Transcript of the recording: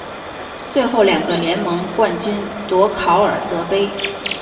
最后两个联盟冠军夺考尔德杯。